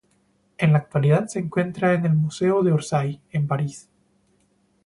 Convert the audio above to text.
En la actualidad se encuentra en el Museo de Orsay, en París.